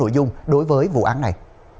đối với vụ án này